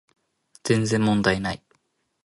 全然問題ない